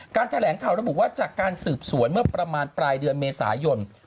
แถลงข่าวระบุว่าจากการสืบสวนเมื่อประมาณปลายเดือนเมษายน